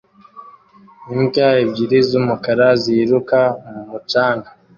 Imbwa ebyiri z'umukara ziruka mu mucanga